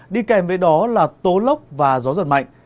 đi kèm với đó là tố lốc và gió giật mạnh